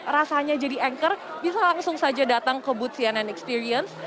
rasanya jadi anchor bisa langsung saja datang ke booth cnn experience